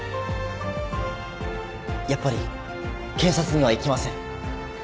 やっぱり検察には行きません。